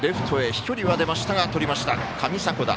飛距離は出ましたがとりました、上迫田。